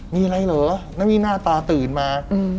มีอะไรเหรอนั่นหน้าตาตื่นมา